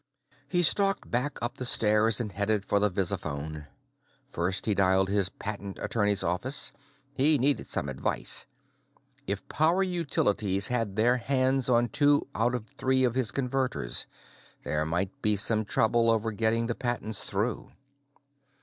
He stalked back up the stairs and headed for the visiphone. First, he dialed his patent attorney's office; he needed some advice. If Power Utilities had their hands on two out of three of his Converters, there might be some trouble over getting the patents through.